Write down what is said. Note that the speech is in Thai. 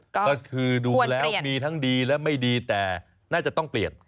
ก็คือดูแล้วมีทั้งดีและไม่ดีแต่น่าจะต้องเปลี่ยน